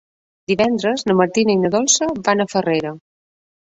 Divendres na Martina i na Dolça van a Farrera.